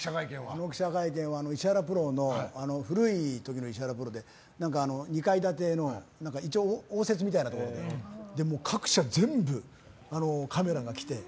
あの記者会見は石原プロの古い時の石原プロで２階建ての一応、応接みたいなところで各社全部、カメラが来て。